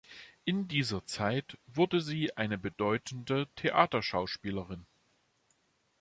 In dieser Zeit wurde sie eine bedeutende Theaterschauspielerin.